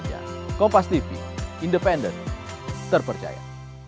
kenapa mesti takut yang sedia saja